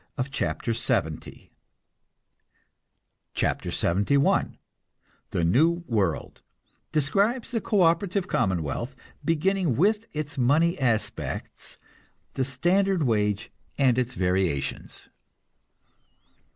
CHAPTER LXXI THE NEW WORLD (Describes the co operative commonwealth, beginning with its money aspects; the standard wage and its variations.)